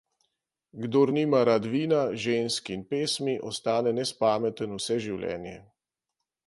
Kdor nima rad vina, žensk in pesmi, ostane nespameten vse življenje.